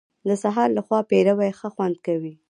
د سهار له خوا پېروی ښه خوند کوي .